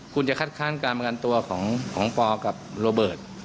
คุณจะคัดค้านการประกันตัวของปอกับโรเบิร์ต